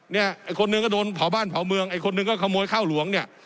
เนี่ยไอ้คนหนึ่งก็โดนเผาบ้านเผาเมืองไอ้คนหนึ่งก็ขโมยข้าวหลวงเนี่ย